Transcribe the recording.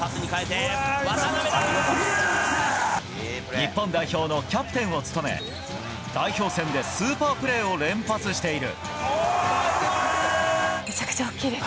日本代表のキャプテンを務め代表戦でスーパープレーを連発している。